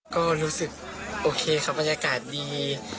ก็รู้สึกโอเคมันยากาศดี